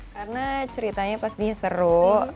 karena ceritanya pastinya seru